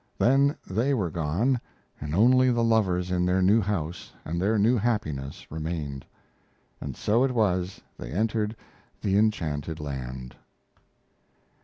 Then they were gone, and only the lovers in their new house and their new happiness remained. And so it was they entered the enchanted land.